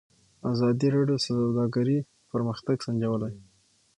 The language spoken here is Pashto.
ازادي راډیو د سوداګري پرمختګ سنجولی.